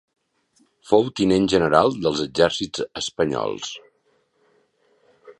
Fou tinent general dels exèrcits espanyols.